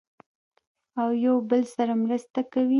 او یو بل سره مرسته کوي.